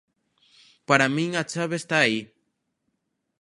Para min a chave está aí.